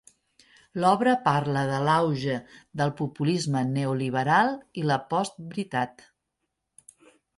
L'obra parla de l'auge del populisme neoliberal i la postveritat.